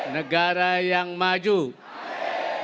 negara yang sejahtera